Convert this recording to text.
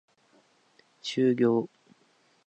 終了